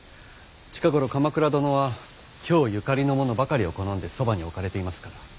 近頃鎌倉殿は京ゆかりの者ばかりを好んでそばに置かれていますから。